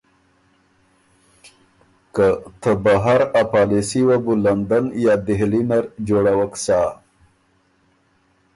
که ته بهر ا پالېسي وه بُو لندن یا دهلي نر جوړَوَک سَۀ۔